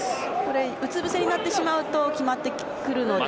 うつぶせになってしまうと決まってくるので。